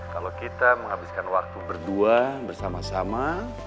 kalau kita menghabiskan waktu berdua bersama sama